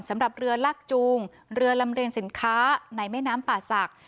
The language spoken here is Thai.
สำหรับเรือลากจูงเรือลำเรียงสินค้าในแม่น้ำป่าศักดิ